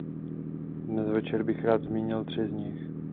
Dnes večer bych rád zmínil tři z nich.